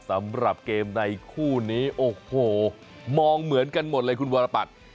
สำหรับเกมในคู่นี้โอ้โหมองเหมือนกันหมดเลยคุณวรปัตร